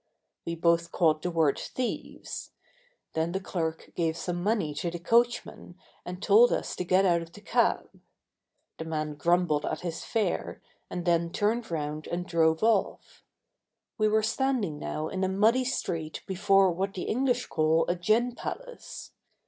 We both caught the word "thieves." Then the clerk gave some money to the coachman and told us to get out of the cab. The man grumbled at his fare and then turned round and drove off. We were standing now in a muddy street before what the English call a gin palace.